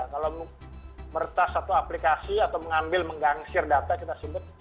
kalau mertas satu aplikasi atau mengambil menggangsir data kita sebut